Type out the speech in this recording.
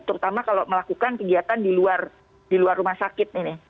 terutama kalau melakukan kegiatan di luar rumah sakit ini